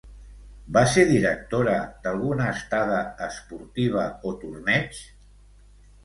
Va ser directora d'alguna estada esportiva o torneig?